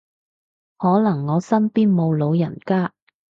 可能我身邊冇老人家